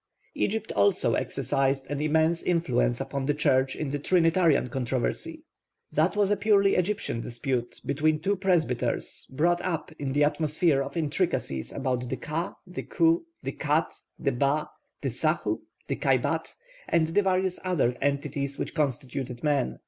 Egypt also exercised an immense influence upon the Church in the Trinitarian controversy. That was a purely Egyptian dispute, between two presbyters brought up in the atmosphere of intricacies about the ka, the khu, the khat, the ba, the sahu, the khaybat, and the various other entities which constituted man.